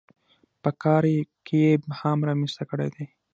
په کار کې یې ابهام رامنځته کړی دی.